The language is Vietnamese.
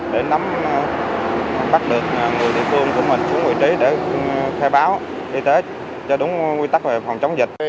để nắm bắt được người địa phương của mình xuống vị trí để khai báo y tế cho đúng quy tắc về phòng chống dịch